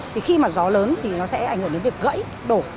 thì khi mà gió lớn thì nó sẽ ảnh hưởng đến việc gãy đổ